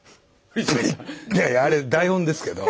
いやあれ台本ですけど。